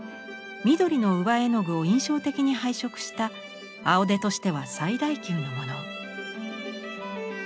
緑の上絵の具を印象的に配色した「青手」としては最大級のもの。